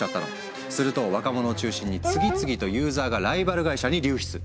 すると若者を中心に次々とユーザーがライバル会社に流出。